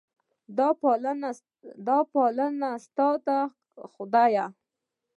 دا پالنه ستا ده خدایه.